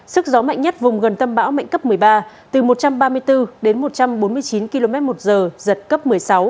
sức gió mạnh nhất vùng gần tâm bão mạnh cấp một mươi ba từ một trăm ba mươi bốn đến một trăm bốn mươi chín km một giờ giật cấp một mươi sáu